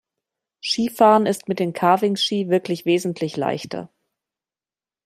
Skifahren ist mit den Carving-Ski wirklich wesentlich leichter.